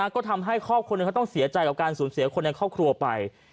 ก็ทำให้ครอบครัวหนึ่งเขาต้องเสียใจกับการสูญเสียคนในครอบครัวไป